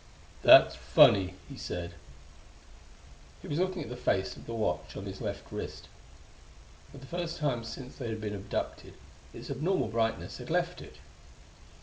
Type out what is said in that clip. "That's funny," he said. He was looking at the face of the watch on his left wrist. For the first time since they had been abducted, its abnormal brightness had left it.